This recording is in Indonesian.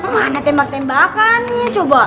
mana tembak tembakannya coba